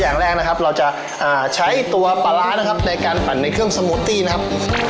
อย่างแรกนะครับเราจะใช้ตัวปลาร้านะครับในการปั่นในเครื่องสมูตตี้นะครับ